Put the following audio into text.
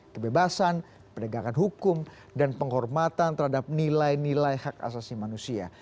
kebebasan penegakan hukum dan penghormatan terhadap nilai nilai hak asasi manusia